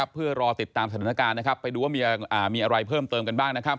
เพื่อรอติดตามสถานการณ์ไปดูว่ามีอะไรเพิ่มเติมกันบ้าง